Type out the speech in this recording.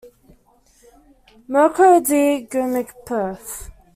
Mirko D. Grmek, pref.